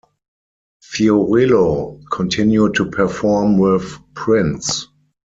Fiorillo continued to perform with Prince.